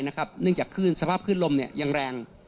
เนื่องจากขึ้นสภาพขึ้นลมยังแรง